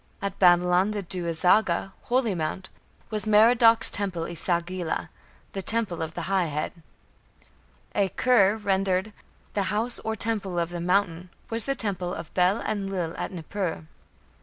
At Babylon, the Du azaga, "holy mound", was Merodach's temple E sagila, "the Temple of the High Head". E kur, rendered "the house or temple of the Mountain", was the temple of Bel Enlil at Nippur.